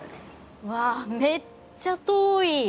うわめっちゃ遠い。